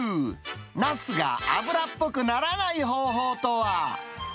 ナスが油っぽくならない方法とは。